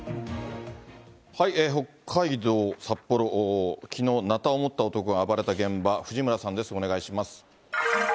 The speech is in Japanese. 北海道札幌、きのう、なたを持った男が暴れた現場、藤村さんです、お願いします。